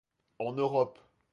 En Europe.